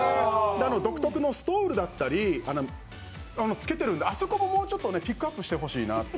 独特のストールだったり、つけてるんで、あそこももうちょっとピックアップしてほしいなと。